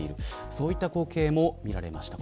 そういった光景も見られました。